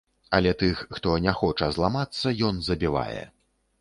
Але тых, хто не хоча зламацца, ён забівае.